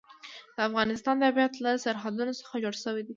د افغانستان طبیعت له سرحدونه څخه جوړ شوی دی.